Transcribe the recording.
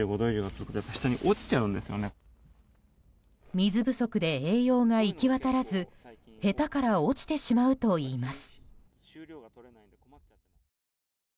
水不足で栄養が行き渡らずヘタから落ちてしまうといいます。